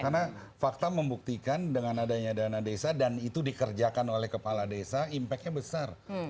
karena fakta membuktikan dengan adanya dana desa dan itu dikerjakan oleh kepala desa impactnya besar